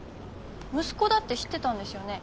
息子だって知ってたんですよね？